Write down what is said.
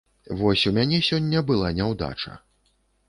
Вось у мяне сёння была няўдача.